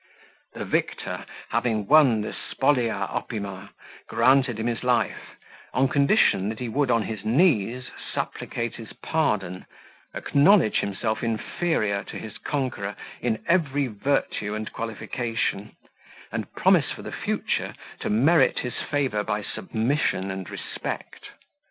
The victor, having won the spolia opima, granted him his life, on condition that he would on his knees supplicate his pardon, acknowledge himself inferior to his conqueror in every virtue and qualification, and promise for the future to merit his favour by submission and respect.